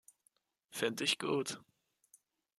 Find ich gut!